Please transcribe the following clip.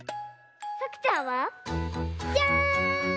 さくちゃんは？じゃん！